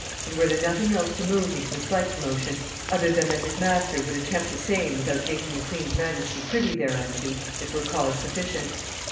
And were there nothing else to move me to mislike the motion, other than that his master would attempt the same without making the queen's majesty privy thereunto, it were cause sufficient.'